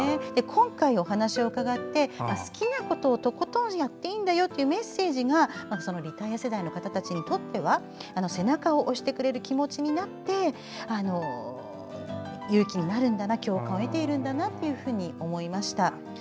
今回、お話を伺ってとことん好きなことをやっていいんだよというメッセージがリタイア世代の方たちにとっては背中を押してくれる気持ちになって勇気になるんだな共感を得ているんだなと思いました。